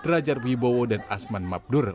rajar wibowo dan asman mapnur